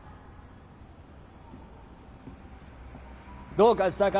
どうかしたか？